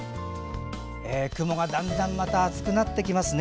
雲がだんだんまた厚くなってきますね。